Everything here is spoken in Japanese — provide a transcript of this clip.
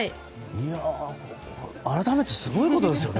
改めてすごいことですよね